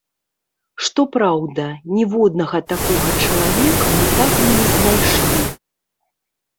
Што праўда, ніводнага такога чалавека, мы так і не знайшлі.